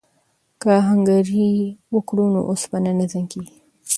که آهنګري وکړو نو اوسپنه نه زنګ کیږي.